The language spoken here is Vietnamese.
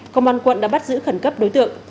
công an quận đã bắt giữ khẩn cấp đối tượng